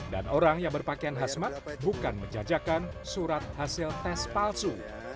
dan orang yang berpakaian hasmat bukan menjajakan surat hasil tes palsu